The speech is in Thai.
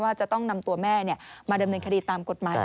จะต้องนำตัวแม่มาดำเนินคดีตามกฎหมายต่อ